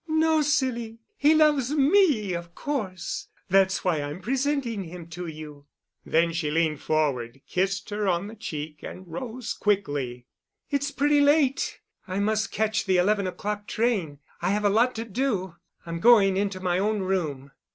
"No, silly. He loves me, of course—that's why I'm presenting him to you." Then she leaned forward, kissed her on the cheek, and rose quickly. "It's pretty late. I must catch the eleven o'clock train. I have a lot to do. I'm going into my own room."